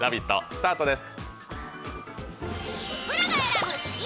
スタートです。